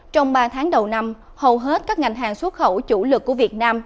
trong ba tháng đầu năm hầu hết các ngành hàng xuất khẩu chủ lực của việt nam